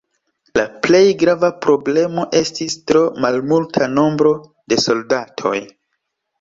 La plej grava problemo estis tro malmulta nombro de soldatoj.